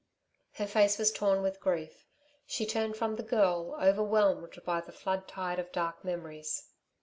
Her face was torn with grief; she turned from the girl, overwhelmed by the flood tide of dark memories.